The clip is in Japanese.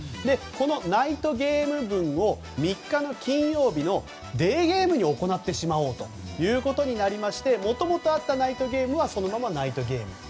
このナイトゲーム分を３日の金曜日のデーゲームに行ってしまおうということになりましてもともとあったナイトゲームはそのままナイトゲーム。